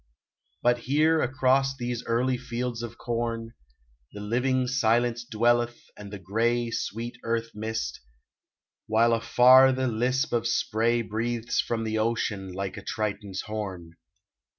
But here, across these early fields of corn, The living silence dwelleth, and the gray Sweet earth mist, while afar the lisp of spray Breathes from the ocean like a Triton's horn.